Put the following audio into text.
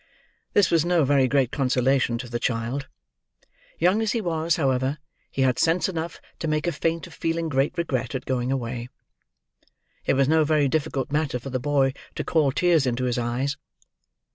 This was no very great consolation to the child. Young as he was, however, he had sense enough to make a feint of feeling great regret at going away. It was no very difficult matter for the boy to call tears into his eyes.